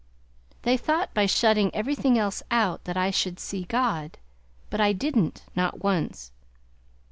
They thought by shutting everything else out that I should see God; but I didn't, not once.